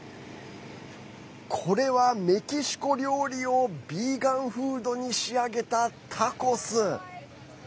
これはメキシコ料理をビーガンフードに仕上げたタコス。